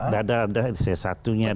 tidak ada sesatunya